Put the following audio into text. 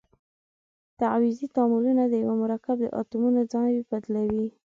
تعویضي تعاملونه د یوه مرکب د اتومونو ځای بدلوي.